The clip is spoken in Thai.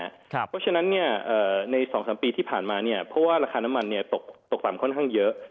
เพราะฉะนั้นใน๒๓ปีที่ผ่านมาเพราะว่าราคาน้ำมันตกต่ำค่อนข้างเยอะ